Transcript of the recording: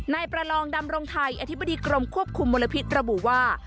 นายประลองดำรงไทยอธิบดีกรมควบคุมมลพิษระบุว่า